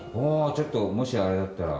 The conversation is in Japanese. ちょっともしあれだったら。